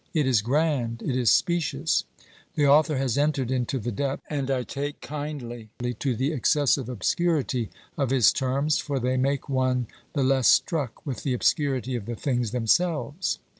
It is grand, it is specious. The author has entered into the depths, and I take kindly to the excessive obscurity of his terms, for they make one the less struck with the obscurity of the things themselves.